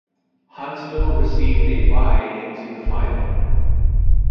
Huntsville received a bye into the final.